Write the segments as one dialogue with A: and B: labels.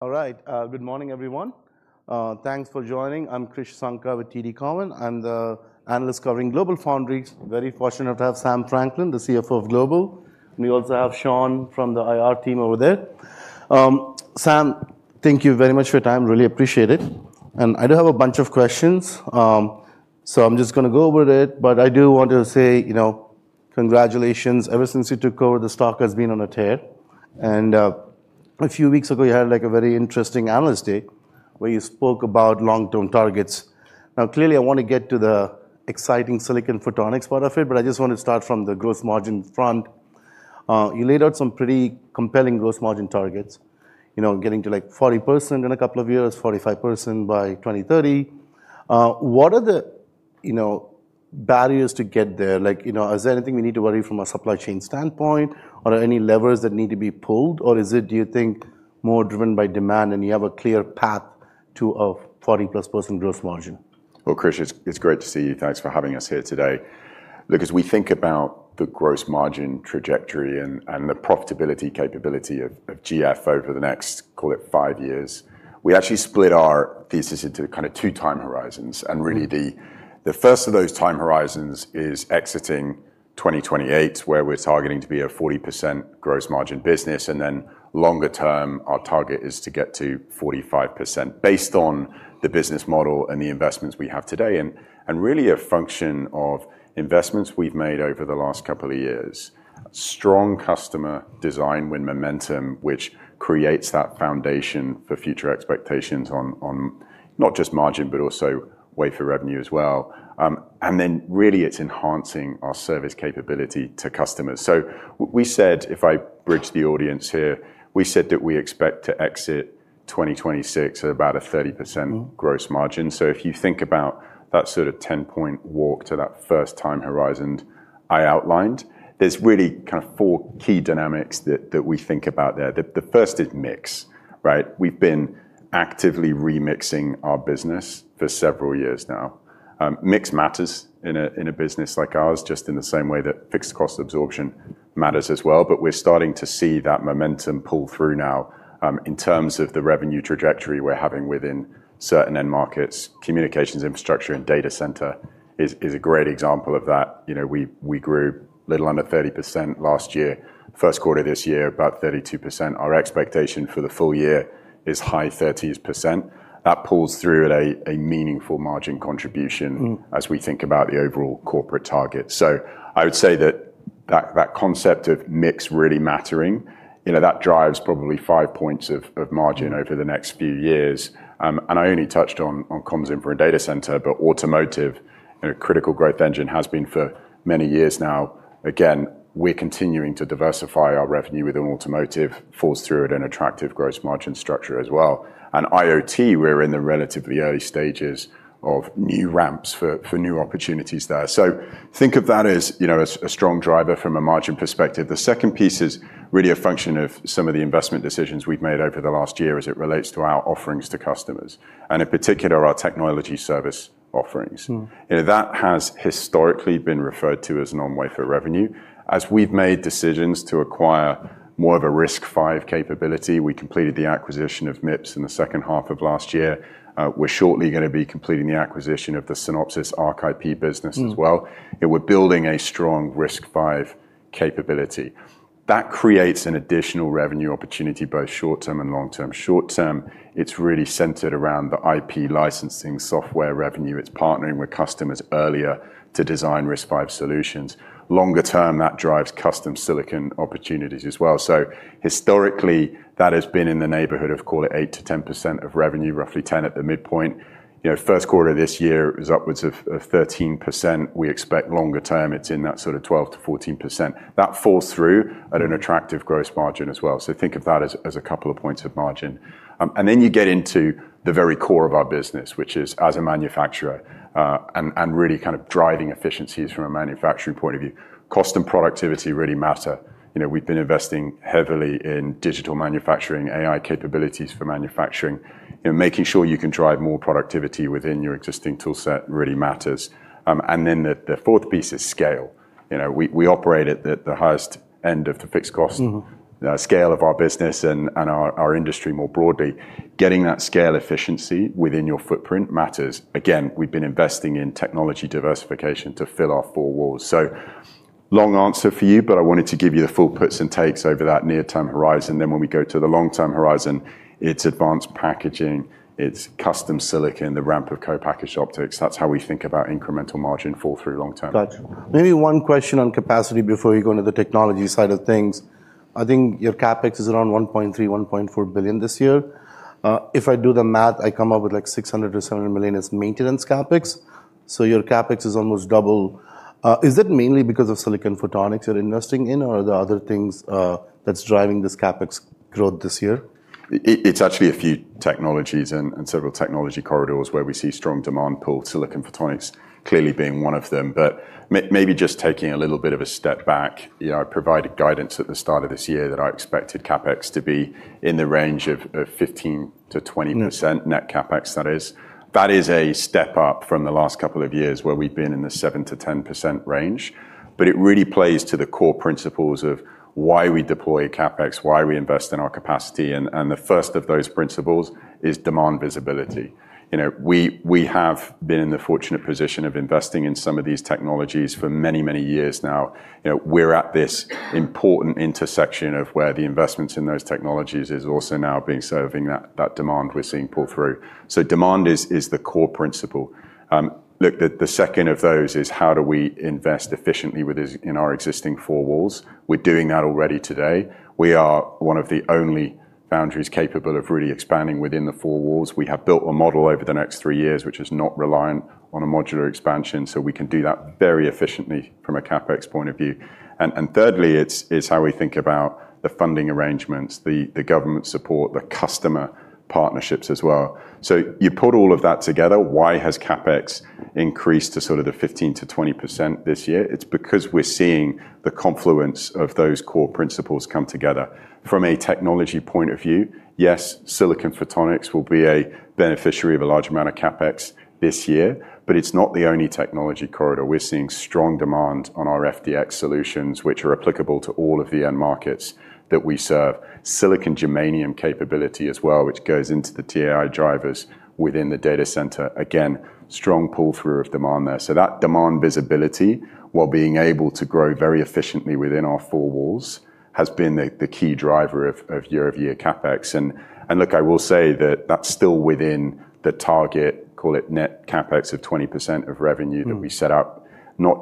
A: All right. Good morning, everyone. Thanks for joining. I'm Krish Sankar with TD Cowen. I'm the analyst covering GlobalFoundries. Very fortunate to have Sam Franklin, the CFO of Global. We also have Sean from the IR team over there. Sam, thank you very much for your time. Really appreciate it. I do have a bunch of questions, so I'm just going to go over it, but I do want to say congratulations. Ever since you took over, the stock has been on a tear, and a few weeks ago, you had a very interesting Analyst Day where you spoke about long-term targets. Clearly, I want to get to the exciting silicon photonics part of it, but I just want to start from the gross margin front. You laid out some pretty compelling gross margin targets, getting to 40% in a couple of years, 45% by 2030. What are the barriers to get there? Is there anything we need to worry from a supply chain standpoint, or are any levers that need to be pulled, or is it, do you think, more driven by demand and you have a clear path to a 40%+ gross margin?
B: Well, Krish, it's great to see you. Thanks for having us here today. Look, as we think about the gross margin trajectory and the profitability capability of GF for the next, call it five years, we actually split our thesis into kind of two time horizons. Really, the first of those time horizons is exiting 2028, where we're targeting to be a 40% gross margin business. Longer term, our target is to get to 45%, based on the business model and the investments we have today, and really a function of investments we've made over the last couple of years. Strong customer design win momentum, which creates that foundation for future expectations on not just margin, but also wafer revenue as well. Really, it's enhancing our service capability to customers. We said, if I bridge the audience here, we said that we expect to exit 2026 at about a 30% gross margin. If you think about that sort of 10-point walk to that first time horizon I outlined, there's really kind of four key dynamics that we think about there. The first is mix. We've been actively remixing our business for several years now. Mix matters in a business like ours, just in the same way that fixed cost absorption matters as well, but we're starting to see that momentum pull through now in terms of the revenue trajectory we're having within certain end markets. Communications infrastructure and data center is a great example of that. We grew a little under 30% last year. First quarter this year, about 32%. Our expectation for the full year is high 30s%. That pulls through at a meaningful margin contribution as we think about the overall corporate target. I would say that that concept of mix really mattering, that drives probably five points of margin over the next few years. I only touched on comms, infra, and data center, but automotive in a critical growth engine has been for many years now. Again, we're continuing to diversify our revenue within automotive, falls through at an attractive gross margin structure as well. IoT, we're in the relatively early stages of new ramps for new opportunities there. Think of that as a strong driver from a margin perspective. The second piece is really a function of some of the investment decisions we've made over the last year as it relates to our offerings to customers, and in particular, our technology service offerings. That has historically been referred to as non-wafer revenue. As we've made decisions to acquire more of a RISC-V capability, we completed the acquisition of MIPS in the second half of last year. We're shortly going to be completing the acquisition of the Synopsys ARC IP business as well. We're building a strong RISC-V capability. That creates an additional revenue opportunity, both short-term and long-term. Short-term, it's really centered around the IP licensing software revenue. It's partnering with customers earlier to design RISC-V solutions. Longer term, that drives custom silicon opportunities as well. Historically, that has been in the neighborhood of, call it 8%-10% of revenue, roughly 10% at the midpoint. First quarter this year is upwards of 13%. We expect longer term, it's in that sort of 12%-14%. That falls through at an attractive gross margin as well. Think of that as a couple of points of margin. Then you get into the very core of our business, which is as a manufacturer, and really kind of driving efficiencies from a manufacturing point of view. Cost and productivity really matter. We've been investing heavily in digital manufacturing, AI capabilities for manufacturing. Making sure you can drive more productivity within your existing toolset really matters. The fourth piece is scale. We operate at the highest end of the fixed cost scale of our business and our industry more broadly. Getting that scale efficiency within your footprint matters. Again, we've been investing in technology diversification to fill our four walls. Long answer for you, but I wanted to give you the full puts and takes over that near-term horizon. When we go to the long-term horizon, it's advanced packaging, it's custom silicon, the ramp of co-packaged optics. That's how we think about incremental margin fall through long-term.
A: Got you. Maybe one question on capacity before you go into the technology side of things. I think your CapEx is around $1.3 billion-$1.4 billion this year. If I do the math, I come up with like $600 million or $700 million is maintenance CapEx. Your CapEx is almost double. Is that mainly because of silicon photonics you're investing in, or are there other things that's driving this CapEx growth this year?
B: It's actually a few technologies and several technology corridors where we see strong demand pull, silicon photonics clearly being one of them. Maybe just taking a little bit of a step back, I provided guidance at the start of this year that I expected CapEx to be in the range of 15%-20% net CapEx, that is. That is a step up from the last couple of years where we've been in the 7%-10% range. It really plays to the core principles of why we deploy CapEx, why we invest in our capacity, and the first of those principles is demand visibility. We have been in the fortunate position of investing in some of these technologies for many, many years now. We're at this important intersection of where the investments in those technologies is also now serving that demand we're seeing pull through. Demand is the core principle. Look, the second of those is how do we invest efficiently within our existing four walls. We're doing that already today. We are one of the only foundries capable of really expanding within the four walls. We have built a model over the next three years, which is not reliant on a modular expansion. We can do that very efficiently from a CapEx point of view. Thirdly, it's how we think about the funding arrangements, the government support, the customer partnerships as well. You put all of that together, why has CapEx increased to sort of the 15%-20% this year? It's because we're seeing the confluence of those core principles come together. From a technology point of view, yes, silicon photonics will be a beneficiary of a large amount of CapEx this year. It's not the only technology corridor. We're seeing strong demand on our FDX solutions, which are applicable to all of the end markets that we serve. silicon germanium capability as well, which goes into the TIA drivers within the data center. Strong pull-through of demand there. That demand visibility, while being able to grow very efficiently within our four walls, has been the key driver of year-over-year CapEx. Look, I will say that that's still within the target, call it net CapEx of 20% of revenue that we set out, not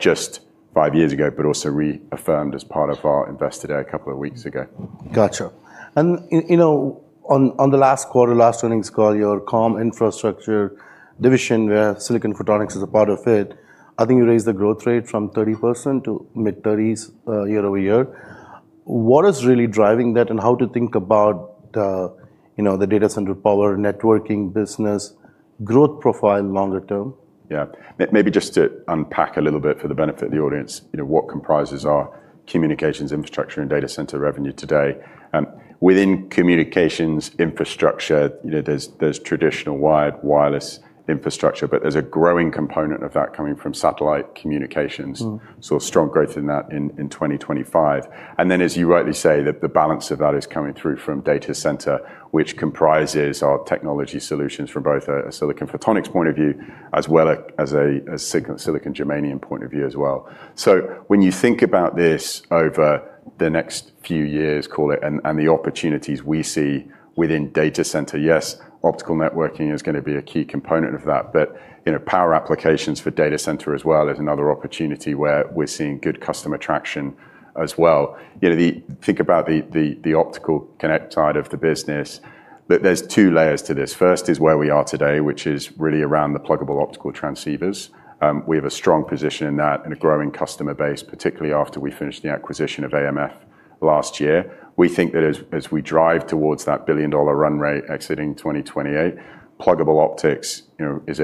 B: just five years ago, but also reaffirmed as part of our Investor Day a couple of weeks ago.
A: Got you. On the last quarter, last earnings call, your comm infrastructure division, where silicon photonics is a part of it, I think you raised the growth rate from 30% to mid-30s year-over-year. What is really driving that and how to think about the data center power networking business growth profile longer term?
B: Yeah. Maybe just to unpack a little bit for the benefit of the audience, what comprises our communications infrastructure and data center revenue today. Within communications infrastructure, there's traditional wired wireless infrastructure, but there's a growing component of that coming from satellite communications. As you rightly say, the balance of that is coming through from data center, which comprises our technology solutions from both a silicon photonics point of view as well as a silicon germanium point of view as well. When you think about this over the next few years, call it, and the opportunities we see within data center, yes, optical networking is going to be a key component of that, but power applications for data center as well is another opportunity where we're seeing good customer traction as well. Think about the optical connect side of the business, that there's two layers to this. First is where we are today, which is really around the pluggable optical transceivers. We have a strong position in that and a growing customer base, particularly after we finished the acquisition of AMF last year. We think that as we drive towards that billion-dollar run rate exiting 2028, pluggable optics is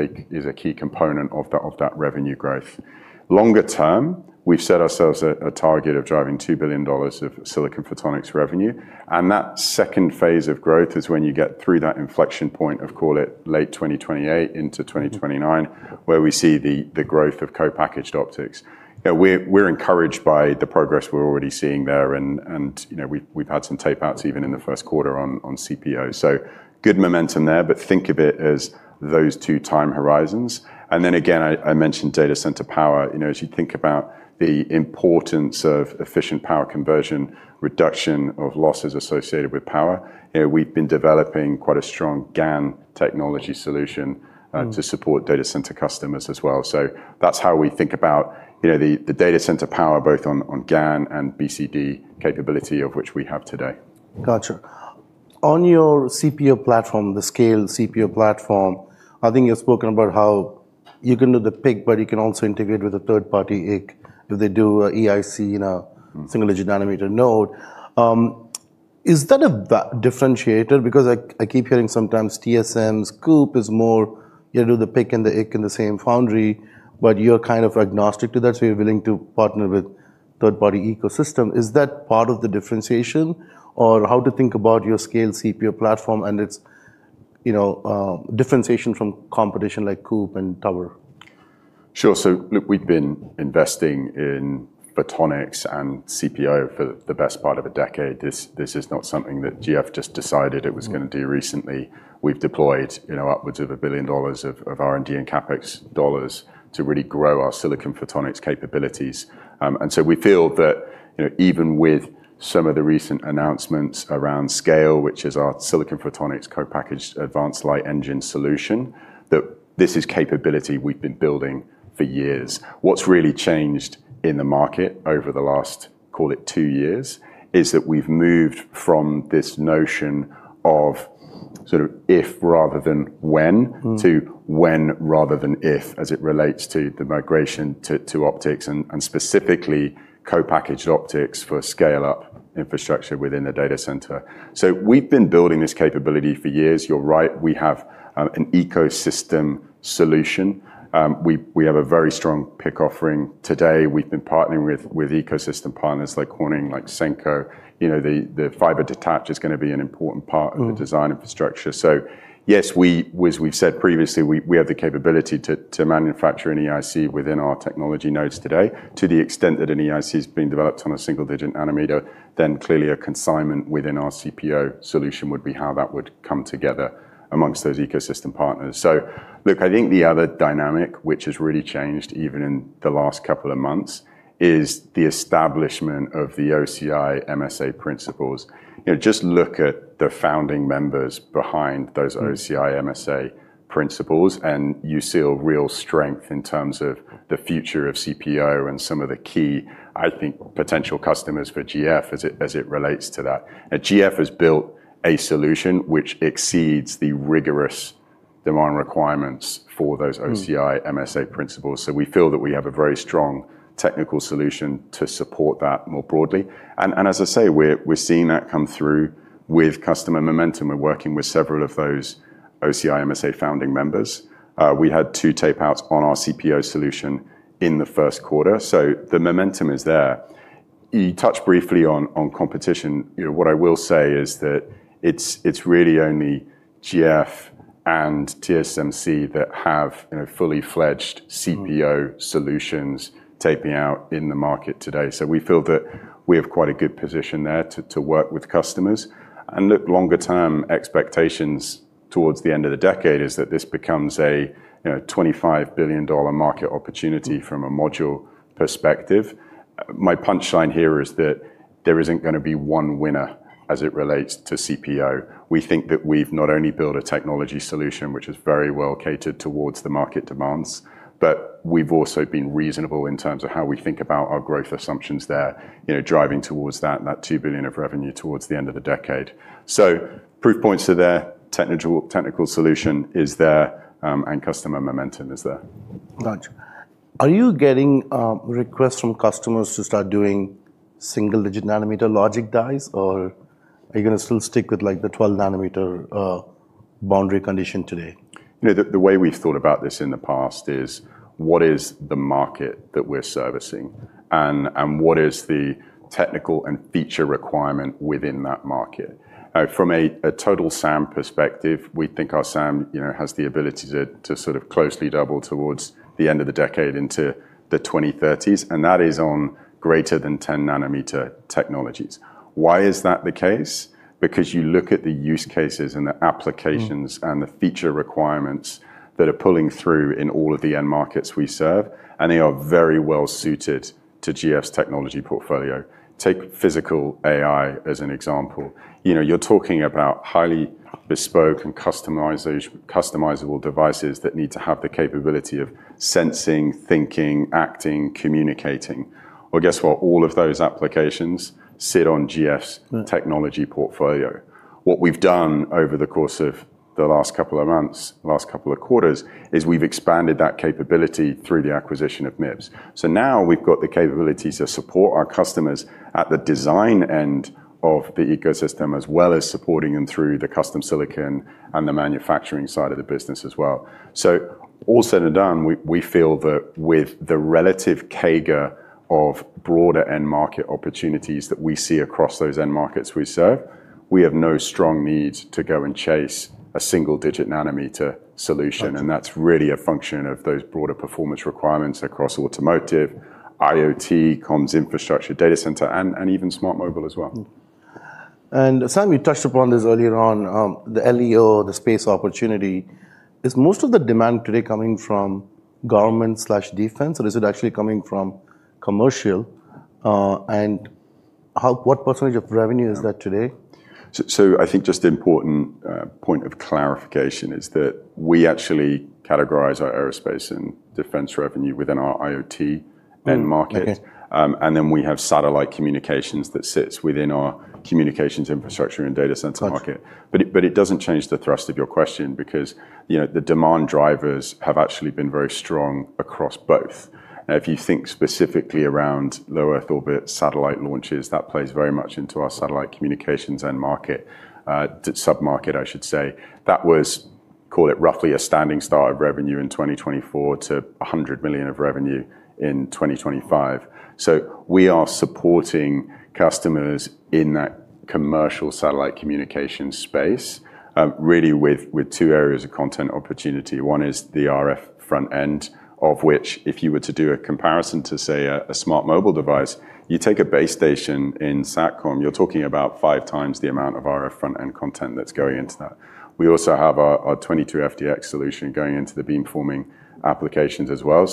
B: a key component of that revenue growth. Longer term, we've set ourselves a target of driving $2 billion of silicon photonics revenue, and that second phase of growth is when you get through that inflection point of, call it, late 2028 into 2029, where we see the growth of co-packaged optics. We're encouraged by the progress we're already seeing there. We've had some tape outs even in the first quarter on CPO. Good momentum there, but think of it as those two time horizons. Again, I mentioned data center power. As you think about the importance of efficient power conversion, reduction of losses associated with power, we've been developing quite a strong GaN technology solution to support data center customers as well. That's how we think about the data center power, both on GaN and BCD capability of which we have today.
A: Got you. On your CPO platform, the SCALE CPO platform, I think you've spoken about how you can do the PIC, but you can also integrate with a third-party EIC, if they do an EIC in a single-digit nanometer node. Is that a differentiator? I keep hearing sometimes TSMC, CoWoS is more, you do the PIC and the IC in the same foundry, but you're kind of agnostic to that, so you're willing to partner with third-party ecosystem. Is that part of the differentiation or how to think about your SCALE CPO platform and its differentiation from competition like CoWoS and Tower?
B: Sure. Look, we've been investing in photonics and CPO for the best part of a decade. This is not something that GF just decided it was going to do recently. We've deployed upwards of $1 billion of R&D and CapEx dollars to really grow our silicon photonics capabilities. We feel that even with some of the recent announcements around SCALE, which is our Silicon photonics Co-packaged Advanced Light Engine solution, that this is capability we've been building for years. What's really changed in the market over the last, call it two years, is that we've moved from this notion of sort of if rather than when to when rather than if, as it relates to the migration to optics and specifically co-packaged optics for scale-up infrastructure within the data center. We've been building this capability for years. You're right, we have an ecosystem solution. We have a very strong PIC offering today. We've been partnering with ecosystem partners like Corning, like SENKO. The fiber attach is going to be an important part of the design infrastructure. Yes, as we've said previously, we have the capability to manufacture an EIC within our technology nodes today. To the extent that an EIC is being developed on a single-digit nanometer, clearly a consignment within our CPO solution would be how that would come together amongst those ecosystem partners. Look, I think the other dynamic, which has really changed even in the last couple of months is the establishment of the OCI MSA principles. Just look at the founding members behind those OCI MSA principles, you see a real strength in terms of the future of CPO and some of the key, I think, potential customers for GF as it relates to that. GF has built a solution which exceeds the rigorous demand requirements for those OCI MSA principles. We feel that we have a very strong technical solution to support that more broadly. As I say, we're seeing that come through with customer momentum. We're working with several of those OCI MSA founding members. We had two tape-outs on our CPO solution in the first quarter. The momentum is there. You touched briefly on competition. What I will say is that it's really only GF and TSMC that have fully fledged CPO solutions taping out in the market today. We feel that we have quite a good position there to work with customers, look longer-term expectations towards the end of the decade is that this becomes a $25 billion market opportunity from a module perspective. My punchline here is that there isn't going to be one winner as it relates to CPO. We think that we've not only built a technology solution, which is very well catered towards the market demands, but we've also been reasonable in terms of how we think about our growth assumptions there, driving towards that $2 billion of revenue towards the end of the decade. Proof points are there, technical solution is there, and customer momentum is there.
A: Got you. Are you getting requests from customers to start doing single-digit nanometer logic dies, or are you going to still stick with the 12-nanometer boundary condition today?
B: The way we've thought about this in the past is what is the market that we're servicing, and what is the technical and feature requirement within that market? From a total SAM perspective, we think our SAM has the ability to sort of closely double towards the end of the decade into the 2030s, and that is on greater than 10 nanometer technologies. Why is that the case? Because you look at the use cases and the applications and the feature requirements that are pulling through in all of the end markets we serve, and they are very well-suited to GF's technology portfolio. Take Physical AI as an example. You're talking about highly bespoke and customizable devices that need to have the capability of sensing, thinking, acting, communicating. Well, guess what? All of those applications sit on GF's technology portfolio. What we've done over the course of the last couple of months, last couple of quarters, is we've expanded that capability through the acquisition of MIPS. Now we've got the capability to support our customers at the design end of the ecosystem, as well as supporting them through the custom silicon and the manufacturing side of the business as well. All said and done, we feel that with the relative CAGR of broader end market opportunities that we see across those end markets we serve, we have no strong need to go and chase a single-digit nanometer solution.
A: Got you.
B: That's really a function of those broader performance requirements across automotive, IoT, comms infrastructure, data center, and even smart mobile as well.
A: Sam, you touched upon this earlier on, the LEO, the space opportunity. Is most of the demand today coming from government/defense, or is it actually coming from commercial? What percentage of revenue is that today?
B: I think just the important point of clarification is that we actually categorize our aerospace and defense revenue within our IoT end market.
A: Okay.
B: We have satellite communications that sits within our communications infrastructure and data center market.
A: Got you.
B: It doesn't change the thrust of your question because the demand drivers have actually been very strong across both. If you think specifically around low Earth orbit satellite launches, that plays very much into our satellite communications end market, sub-market, I should say. That was, call it roughly a standing start of revenue in 2024 to $100 million of revenue in 2025. We are supporting customers in that commercial satellite communication space, really with two areas of content opportunity. One is the RF front end, of which if you were to do a comparison to, say, a smart mobile device, you take a base station in Satcom, you're talking about five times the amount of RF front-end content that's going into that. We also have our 22FDX solution going into the beamforming applications as well.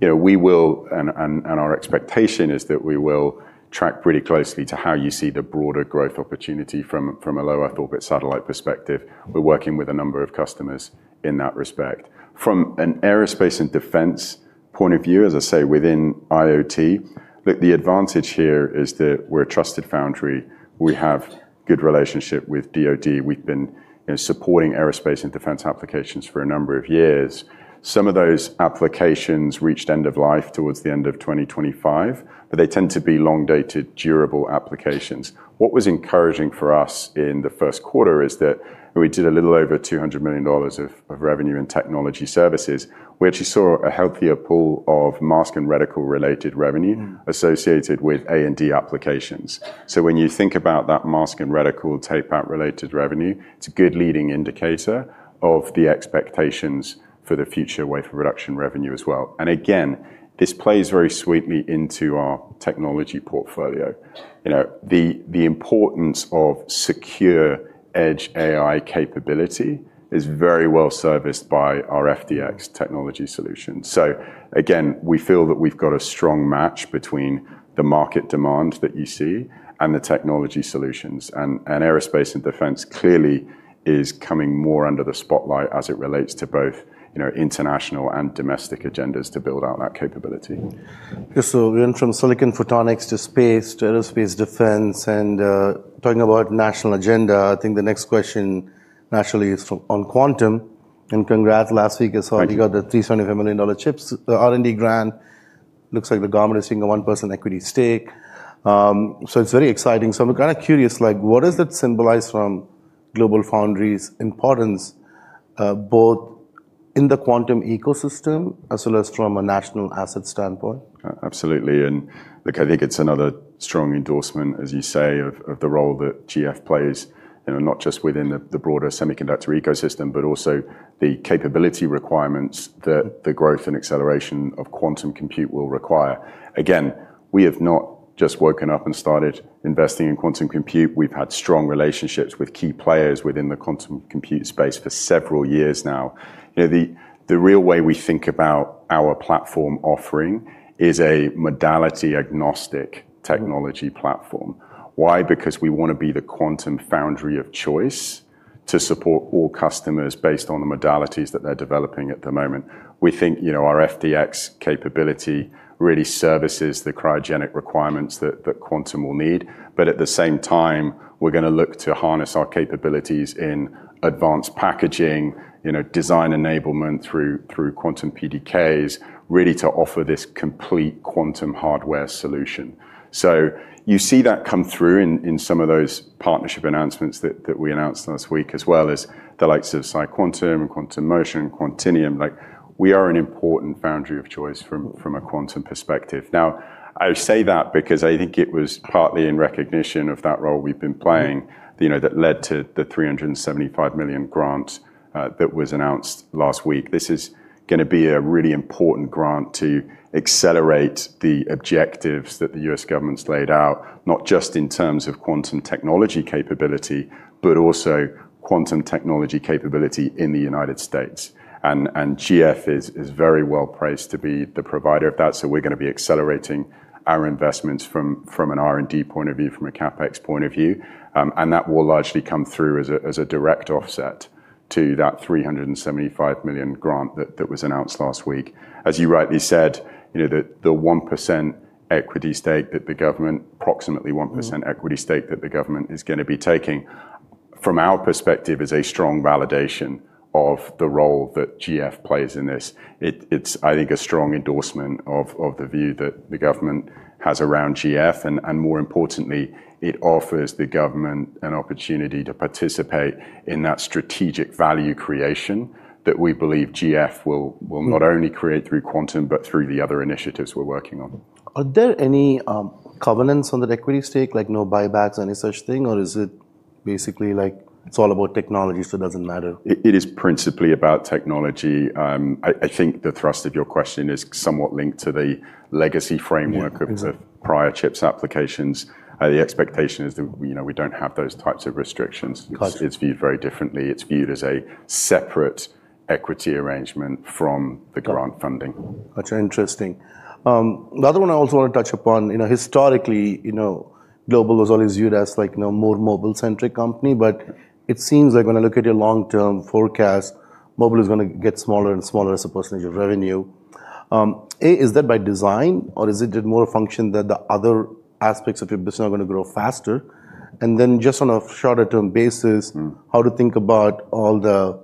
B: Our expectation is that we will track pretty closely to how you see the broader growth opportunity from a low Earth orbit satellite perspective. We are working with a number of customers in that respect. From an aerospace and defense point of view, as I say within IoT, look, the advantage here is that we are a trusted foundry. We have good relationship with DoD. We have been supporting aerospace and defense applications for a number of years. Some of those applications reached end of life towards the end of 2025, but they tend to be long-dated, durable applications. What was encouraging for us in the first quarter is that we did a little over $200 million of revenue in technology services. We actually saw a healthier pool of mask and reticle-related revenue associated with A&D applications. When you think about that mask and reticle tape-out related revenue, it's a good leading indicator of the expectations for the future wafer production revenue as well. Again, this plays very sweetly into our technology portfolio. The importance of secure edge AI capability is very well serviced by our FDX technology solution. Again, we feel that we've got a strong match between the market demand that you see and the technology solutions. Aerospace and defense clearly is coming more under the spotlight as it relates to both international and domestic agendas to build out that capability.
A: Okay. We went from silicon photonics to space to aerospace defense, and talking about national agenda, I think the next question naturally is on quantum. And congrats. Last week,...
B: Thank you....
A: I saw you got the $375 million CHIPS. The R&D grant looks like the government is taking a 1% equity stake. It's very exciting. I'm kind of curious, like, what does that symbolize from GlobalFoundries' importance, both in the quantum ecosystem as well as from a national asset standpoint?
B: Absolutely. Look, I think it's another strong endorsement, as you say, of the role that GF plays, not just within the broader semiconductor ecosystem, but also the capability requirements that the growth and acceleration of quantum compute will require. We have not just woken up and started investing in quantum compute. We've had strong relationships with key players within the quantum compute space for several years now. The real way we think about our platform offering is a modality-agnostic technology platform. Why? We want to be the quantum foundry of choice to support all customers based on the modalities that they're developing at the moment. We think our FDX capability really services the cryogenic requirements that quantum will need, at the same time, we're going to look to harness our capabilities in advanced packaging, design enablement through quantum PDKs, really to offer this complete quantum hardware solution. You see that come through in some of those partnership announcements that we announced last week, as well as the likes of PsiQuantum, Quantum Motion, Quantinuum. Like, we are an important foundry of choice from a quantum perspective. Now, I say that because I think it was partly in recognition of that role we've been playing, that led to the $375 million grant that was announced last week. This is going to be a really important grant to accelerate the objectives that the U.S. government's laid out, not just in terms of quantum technology capability, but also quantum technology capability in the United States. GF is very well-placed to be the provider of that, so we're going to be accelerating our investments from an R&D point of view, from a CapEx point of view. That will largely come through as a direct offset to that $375 million grant that was announced last week. As you rightly said, the 1% equity stake that the government, approximately 1% equity stake that the government is going to be taking, from our perspective, is a strong validation of the role that GF plays in this. It's, I think, a strong endorsement of the view that the government has around GF, and more importantly, it offers the government an opportunity to participate in that strategic value creation that we believe GF will not only create through quantum, but through the other initiatives we're working on.
A: Are there any covenants on that equity stake, like no buybacks, any such thing, or is it basically like it's all about technology, so it doesn't matter?
B: It is principally about technology. I think the thrust of your question is somewhat linked to the legacy framework...
A: Yeah. Mm-hmm....
B: Of the prior CHIPS applications. The expectation is that we don't have those types of restrictions.
A: Got you.
B: It's viewed very differently. It's viewed as a separate equity arrangement from the grant funding.
A: That's interesting. The other one I also want to touch upon, historically, GF was always viewed as like a more mobile-centric company, but it seems like when I look at your long-term forecast, mobile is going to get smaller and smaller as a percentage of revenue. Is that by design, or is it more a function that the other aspects of your business are going to grow faster? Just on a shorter term basis, how to think about all the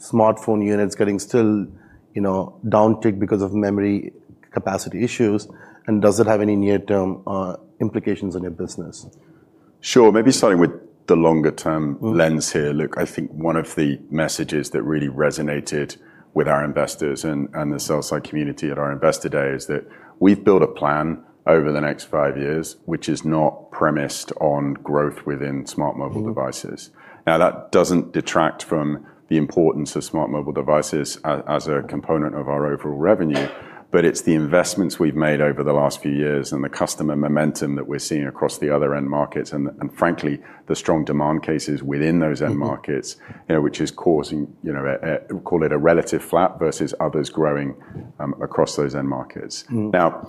A: smartphone units getting still downticked because of memory capacity issues, and does it have any near-term implications on your business?
B: Sure. Maybe starting with the longer-term lens here. Look, I think one of the messages that really resonated with our investors and the sell-side community at our Investor Day is that we've built a plan over the next five years, which is not premised on growth within smart mobile devices. That doesn't detract from the importance of smart mobile devices as a component of our overall revenue, but it's the investments we've made over the last few years and the customer momentum that we're seeing across the other end markets, and frankly, the strong demand cases within those end markets which is causing, call it a relative flat versus others growing across those end markets. Now,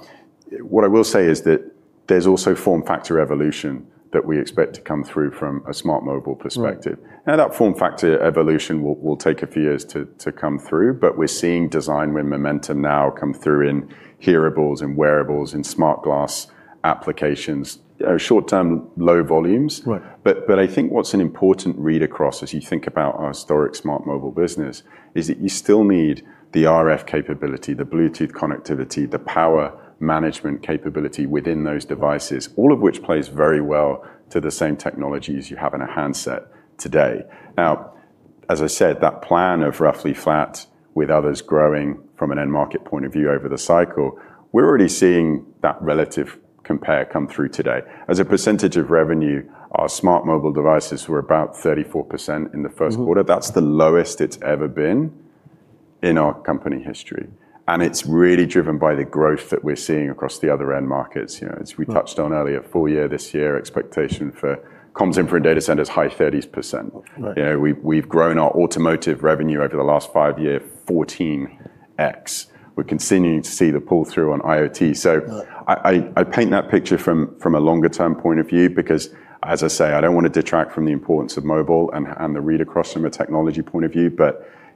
B: what I will say is that there's also form factor evolution that we expect to come through from a smart mobile perspective.
A: Right.
B: Now, that form factor evolution will take a few years to come through, but we're seeing design win momentum now come through in hearables and wearables, in smart glass applications. Short term, low volumes.
A: Right.
B: I think what's an important read-across as you think about our historic smart mobile business is that you still need the RF capability, the Bluetooth connectivity, the power management capability within those devices, all of which plays very well to the same technologies you have in a handset today. Now, as I said, that plan of roughly flat with others growing from an end market point of view over the cycle, we're already seeing that relative compare come through today. As a percentage of revenue, our smart mobile devices were about 34% in the first quarter. That's the lowest it's ever been in our company history, and it's really driven by the growth that we're seeing across the other end markets. As we touched on earlier, full year this year, expectation for comms infra and data centers, high 30s%.
A: Right.
B: We've grown our automotive revenue over the last five year 14x. We're continuing to see the pull-through on IoT.
A: Right.
B: I paint that picture from a longer-term point of view because, as I say, I don't want to detract from the importance of mobile and the read-across from a technology point of view.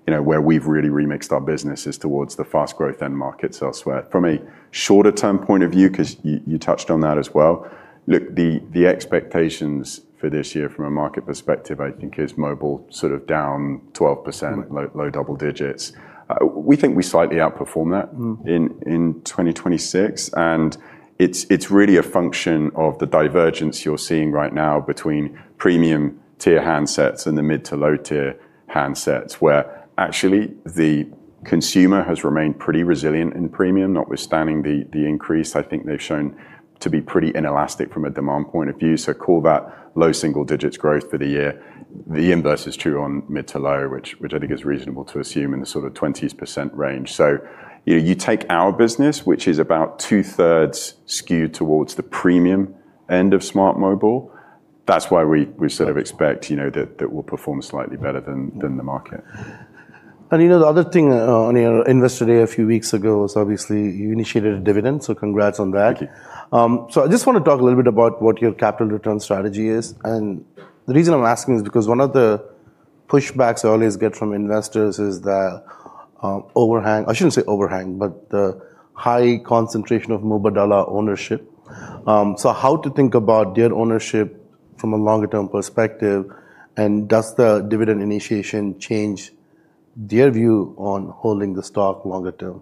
B: Where we've really remixed our business is towards the fast growth end markets elsewhere. From a shorter-term point of view, because you touched on that as well, look, the expectations for this year from a market perspective, I think, is mobile sort of down 12%, low double digits. We think we slightly outperform that. In 2026, it's really a function of the divergence you're seeing right now between premium-tier handsets and the mid to low-tier handsets, where actually the consumer has remained pretty resilient in premium, notwithstanding the increase. I think they've shown to be pretty inelastic from a demand point of view, call that low single digits growth for the year. The inverse is true on mid to low, which I think is reasonable to assume in the sort of 20% range. You take our business, which is about two-thirds skewed towards the premium end of smart mobile. That's why we sort of expect that we'll perform slightly better than the market.
A: The other thing on your Investor Day a few weeks ago was obviously you initiated a dividend, so congrats on that.
B: Thank you.
A: I just want to talk a little bit about what your capital return strategy is. The reason I'm asking is because one of the pushbacks I always get from investors is the overhang, I shouldn't say overhang, but the high concentration of Mubadala ownership. How to think about their ownership from a longer-term perspective, and does the dividend initiation change their view on holding the stock longer term?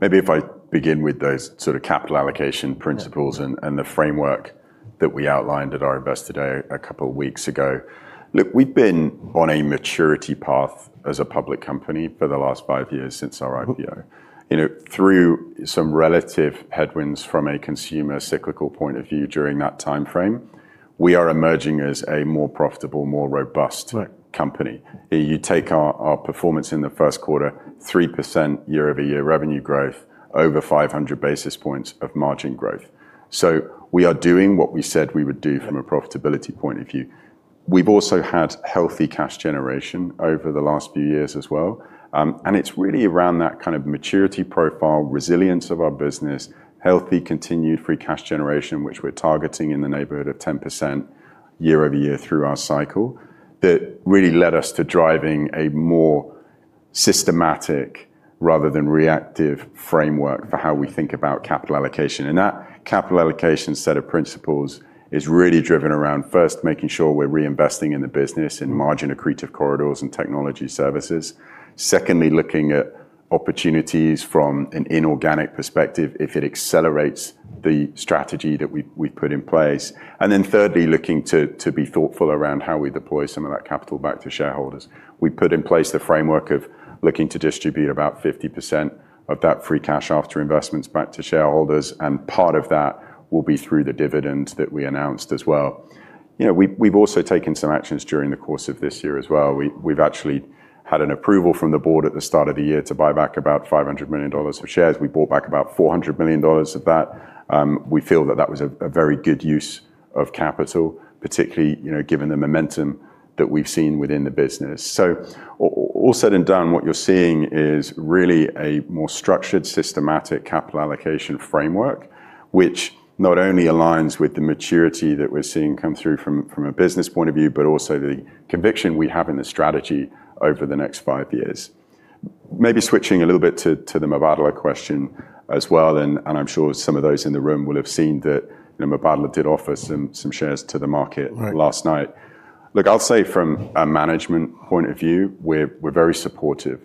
B: Maybe if I begin with those sort of capital allocation principles and the framework that we outlined at our Investor Day a couple of weeks ago. Look, we've been on a maturity path as a public company for the last five years since our IPO. Through some relative headwinds from a consumer cyclical point of view during that timeframe, we are emerging as a more profitable, more robust...
A: Right. ...
B: Company. You take our performance in the first quarter, 3% year-over-year revenue growth, over 500 basis points of margin growth. We are doing what we said we would do from a profitability point of view. We've also had healthy cash generation over the last few years as well, and it's really around that kind of maturity profile, resilience of our business, healthy continued free cash generation, which we're targeting in the neighborhood of 10% year-over-year through our cycle. That really led us to driving a more systematic rather than reactive framework for how we think about capital allocation. That capital allocation set of principles is really driven around, first, making sure we're reinvesting in the business in margin-accretive corridors and technology services. Secondly, looking at opportunities from an inorganic perspective if it accelerates the strategy that we've put in place. Thirdly, looking to be thoughtful around how we deploy some of that capital back to shareholders. We put in place the framework of looking to distribute about 50% of that free cash after investments back to shareholders, and part of that will be through the dividend that we announced as well. We've also taken some actions during the course of this year as well. We've actually had an approval from the Board at the start of the year to buy back about $500 million of shares. We bought back about $400 million of that. We feel that that was a very good use of capital, particularly, given the momentum that we've seen within the business. All said and done, what you're seeing is really a more structured, systematic capital allocation framework, which not only aligns with the maturity that we're seeing come through from a business point of view, but also the conviction we have in the strategy over the next five years. Maybe switching a little bit to the Mubadala question as well, and I'm sure some of those in the room will have seen that Mubadala did offer some shares to the market...
A: Right....
B: Last night. Look, I'll say from a management point of view, we're very supportive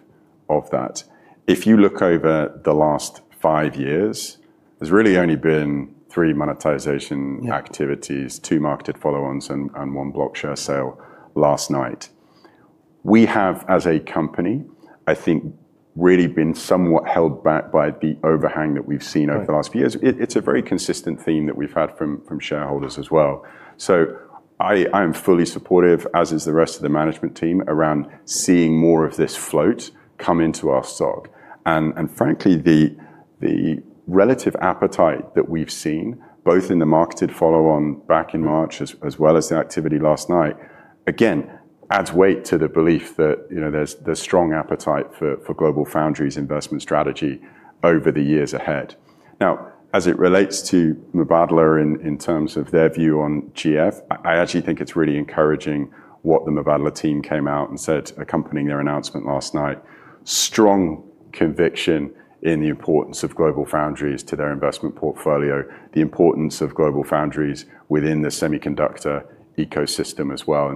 B: of that. If you look over the last five years, there's really only been three monetization activities,...
A: Yeah....
B: Two marketed follow-ons and one block share sale last night. We have, as a company, I think, really been somewhat held back by the overhang that we've seen over the last few years. It's a very consistent theme that we've had from shareholders as well. I am fully supportive, as is the rest of the management team, around seeing more of this float come into our stock. Frankly, the relative appetite that we've seen, both in the marketed follow-on back in March, as well as the activity last night, again, adds weight to the belief that there's strong appetite for GlobalFoundries' investment strategy over the years ahead. As it relates to Mubadala in terms of their view on GF, I actually think it's really encouraging what the Mubadala team came out and said accompanying their announcement last night. Strong conviction in the importance of GlobalFoundries to their investment portfolio, the importance of GlobalFoundries within the semiconductor ecosystem as well.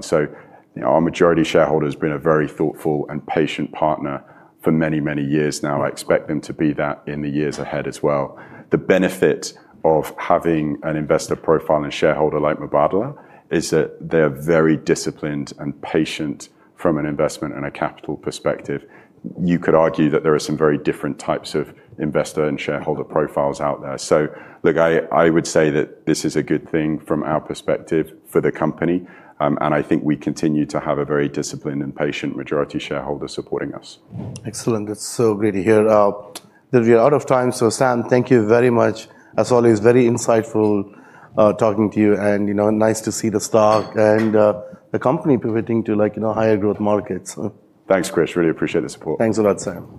B: Our majority shareholder has been a very thoughtful and patient partner for many years now. I expect them to be that in the years ahead as well. The benefit of having an investor profile and shareholder like Mubadala is that they're very disciplined and patient from an investment and a capital perspective. You could argue that there are some very different types of investor and shareholder profiles out there. Look, I would say that this is a good thing from our perspective for the company, and I think we continue to have a very disciplined and patient majority shareholder supporting us.
A: Excellent. That's so great to hear. We are out of time. Sam, thank you very much. As always, very insightful talking to you and nice to see the stock and the company pivoting to higher growth markets.
B: Thanks, Krish. Really appreciate the support.
A: Thanks a lot, Sam.